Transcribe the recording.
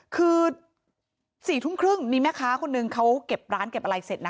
คือ๔ทุ่มครึ่งมีแม่ค้าคนนึงเขาเก็บร้านเก็บอะไรเสร็จนะ